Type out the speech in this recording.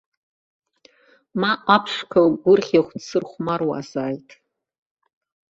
Ма аԥшқа гәырӷьахә дсырхәмаруазааит.